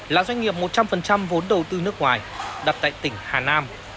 là doanh nghiệp một trăm linh vốn đầu tư nước ngoài đặt tại tỉnh hà nam